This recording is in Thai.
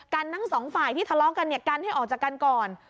กันนั้นสองฝ่ายที่ทะเลาะกันกันให้ออกจากกันก่อน